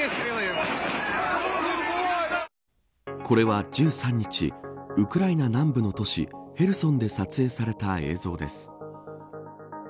これは１３日ウクライナ南部の都市ヘルソンで撮影された映像です。